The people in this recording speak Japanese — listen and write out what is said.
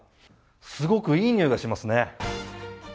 すごくいい匂いがしますね。